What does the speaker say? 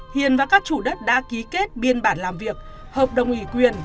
hiền và các chủ đất đã ký kết biên bản làm việc hợp đồng ủy quyền